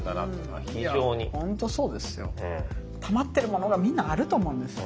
たまってるものがみんなあると思うんですよね。